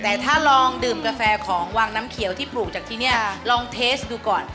แต่ถ้าลองดื่มกาแฟของวังน้ำเขียวที่ปลูกจากที่เนี่ยลองเทสดูก่อน